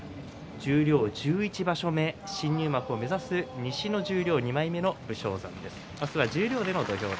十両１１場所目新入幕を目指す西十両２枚目の武将山でした。